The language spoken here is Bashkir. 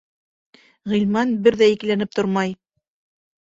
Ғилман бер ҙә икеләнеп тормай: